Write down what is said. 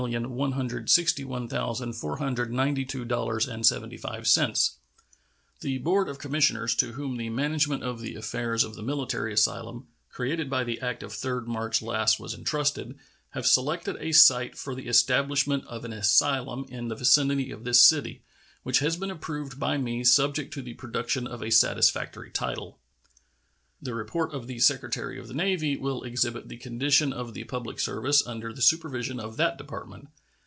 75, The board of commissioners to whom the management of the affairs of the military asylum created by the act of 3d March last was intrusted have selected a site for the establishment of an asylum in the vicinity of this city, which has been approved by me subject to the production of a satisfactory title. The report of the Secretary of the Navy will exhibit the condition of the public service under the supervision of that Department.